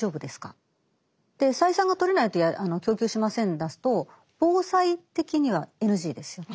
「採算がとれないと供給しません」だと防災的にはＮＧですよね。